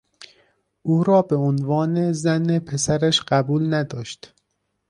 او را به عنوان زن پسرش قبول نداشت.